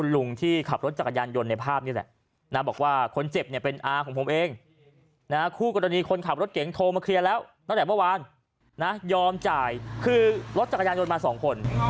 แล้วตั้งแต่เมื่อวานยอมจ่ายคือรถจักรยานยนต์มา๒คน